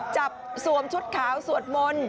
สวมชุดขาวสวดมนต์